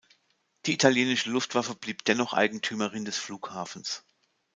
Die italienische Luftwaffe blieb dennoch Eigentümerin des Flughafens.